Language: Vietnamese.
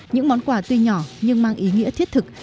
những món quà tuy nhỏ nhưng mang ý nghĩa thiết thực